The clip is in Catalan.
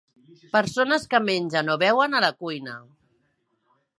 Persones que mengen o beuen a la cuina.